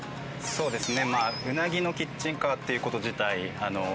そうですね。